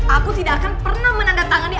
aku tidak akan pernah menandatangani